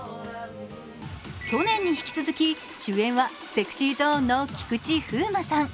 去年に引き続き、主演はＳｅｘｙＺｏｎｅの菊池風磨さん。